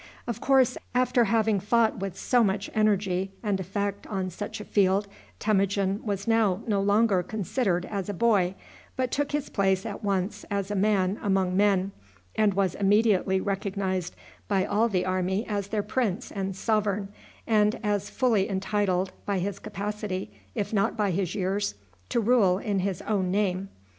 Of course, after having fought with so much energy and effect on such a field, Temujin was now no longer considered as a boy, but took his place at once as a man among men, and was immediately recognized by all the army as their prince and sovereign, and as fully entitled, by his capacity if not by his years, to rule in his own name.